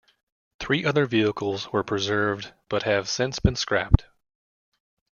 Three other vehicles were preserved but have since been scrapped.